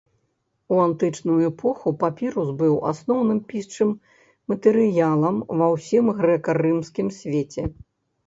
У антычную эпоху папірус быў асноўным пісчым матэрыялам ва ўсім грэка-рымскім свеце.